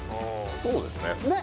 そうですねねえ